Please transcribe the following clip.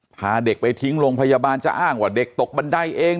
พาเด็กไปทิ้งโรงพยาบาลจะอ้างว่าเด็กตกบันไดเอง